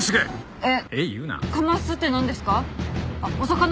「えっ？」